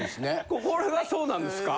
これがそうなんですか？